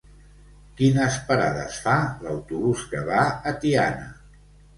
Quines parades fa l'autobús que va a Tiana?